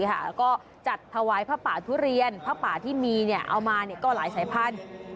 แล้วก็จัดถวายผ้าป่าทุเรียนผ้าป่าที่มีเอามาก็หลายสายพันธุ์